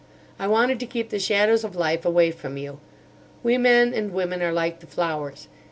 I wanted to keep the shadows of life away from you. We men and women are like the flowers.